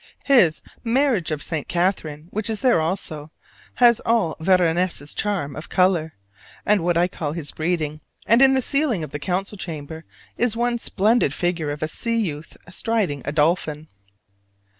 His "Marriage of St. Catherine," which is there also, has all Veronese's charm of color and what I call his "breeding"; and in the ceiling of the Council Chamber is one splendid figure of a sea youth striding a dolphin.